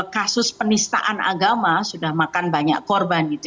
kasus penistaan agama sudah makan banyak korban